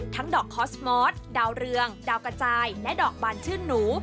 ดอกคอสมอสดาวเรืองดาวกระจายและดอกบานชื่นหนู